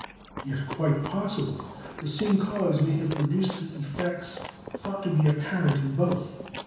Yet, quite possibly, the same cause may have produced the effects thought to be apparent in both.